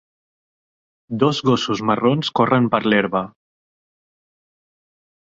Dos gossos marrons corren per l'herba.